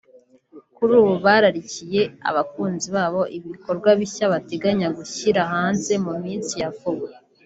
kuri ubu bararikiye abakunzi babo ibikorwa bishya bateganya gushyira hanze mu minsi ya vuba